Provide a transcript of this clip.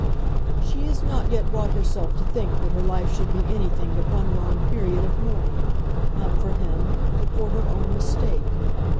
"She has not yet brought herself to think that her life should be anything but one long period of mourning, not for him, but for her own mistake.